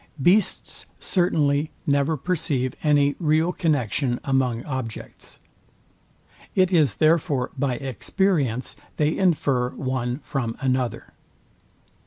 Beasts certainly never perceive any real connexion among objects. It is therefore by experience they infer one from another.